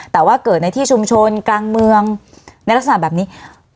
แต่ว่าเกิดในที่ชุมชนกลางเมืองในลักษณะแบบนี้